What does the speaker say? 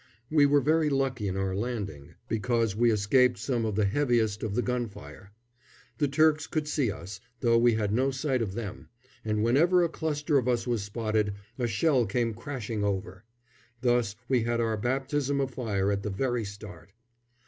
We were very lucky in our landing, because we escaped some of the heaviest of the gun fire. The Turks could see us, though we had no sight of them, and whenever a cluster of us was spotted, a shell came crashing over. Thus we had our baptism of fire at the very start.